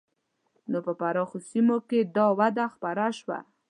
نو په پراخو سیمو کې دا وده خپره شوه.